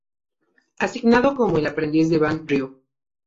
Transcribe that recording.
Asignado como el aprendiz de Ban Ryu.